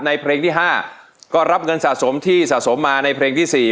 เพลงที่๕ก็รับเงินสะสมที่สะสมมาในเพลงที่๔